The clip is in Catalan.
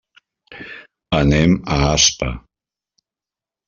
Anem a Aspa.